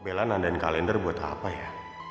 bella nandan kalender buat apa ya